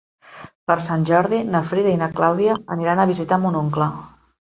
Per Sant Jordi na Frida i na Clàudia aniran a visitar mon oncle.